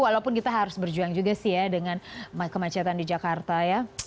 walaupun kita harus berjuang juga sih ya dengan kemacetan di jakarta ya